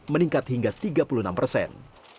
meningkat hingga tiga puluh enam persen